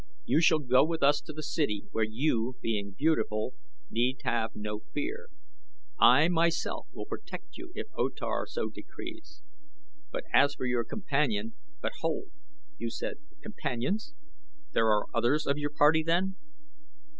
You shall go with us to the city, where you, being beautiful, need have no fear. I, myself, will protect you if O Tar so decrees. And as for your companion but hold! You said 'companions' there are others of your party then?"